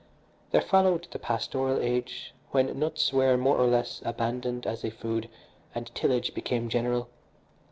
There followed the pastoral age, when nuts were, more or less, abandoned as a food and tillage became general.